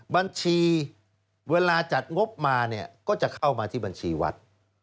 บัญชีเวลาจัดงบมาเนี่ยก็จะเข้ามาที่บัญชีวัด